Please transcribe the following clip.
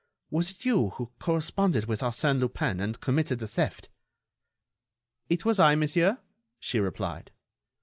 Was it you who corresponded with Arsène Lupin and committed the theft?" "It was I, monsieur," she replied.